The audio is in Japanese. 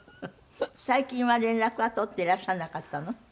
最近は連絡は取っていらっしゃらなかったの？